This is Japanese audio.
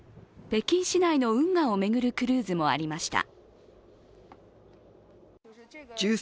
北京市内の運河を巡るクルーズもありました。